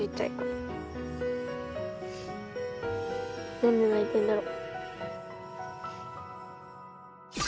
何で泣いてんだろう。